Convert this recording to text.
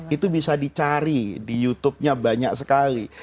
itu bisa dicari di youtubenya banyak sekali